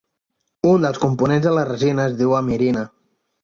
Un dels components de la resina es diu amirina.